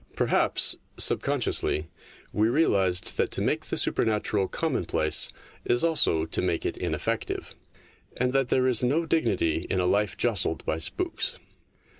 Perhaps, subconsciously, we realised that to make the supernatural commonplace is also to make it ineffective, and that there is no dignity in a life jostled by spooks.